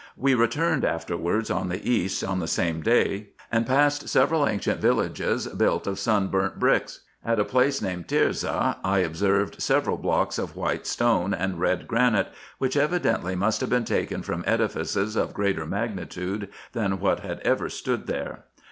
We returned afterwards on the east on the same day, and passed several ancient villages, built of sun burnt bricks. At a place named Terza I observed several blocks of white stone and red granite, which evidently must have been taken from edifices of greater magnitude than what had ever stood there.